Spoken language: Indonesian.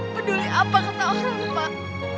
peduli apa kata orang pak